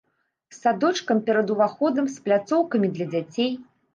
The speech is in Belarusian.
З садочкам перад уваходам, з пляцоўкамі для дзяцей.